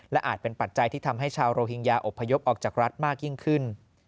อาจเป็นปัจจัยที่ทำให้ชาวโรฮิงญาอบพยพออกจากรัฐมากยิ่งขึ้น